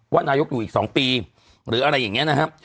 ว่านายกอยู่อีกสองปีหรืออะไรอย่างเงี้ยนะฮะ